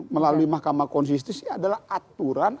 melalui mahkamah konsistus ini adalah aturan